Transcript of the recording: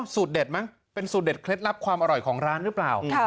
สูตรเด็ดมั้งเป็นสูตรเด็ดเคล็ดลับความอร่อยของร้านหรือเปล่า